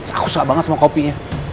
aku suka banget sama kopinya